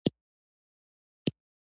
تعلیم نجونو ته د خیرات ورکولو ګټې ښيي.